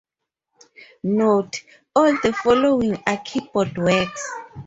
"Note: All the following are keyboard works"